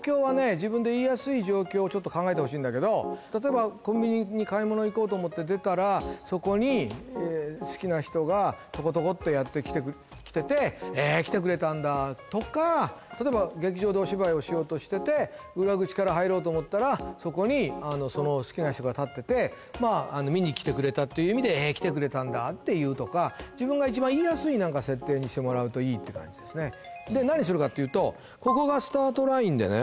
自分で言いやすい状況をちょっと考えてほしいんだけど例えばコンビニに買い物行こうと思って出たらそこに好きな人がとことこっとやってきてて「えー！来てくれたんだ！」とか例えば劇場でお芝居をしようとしてて裏口から入ろうと思ったらそこに好きな人が立ってて見に来てくれたっていう意味で「えー！来てくれたんだ！」って言うとかで何するかっていうとここがスタートラインでね